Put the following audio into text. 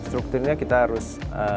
strukturnya kita harus